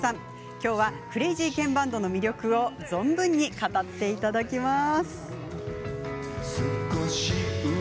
きょうはクレイジーケンバンドの魅力を存分に語っていただきます。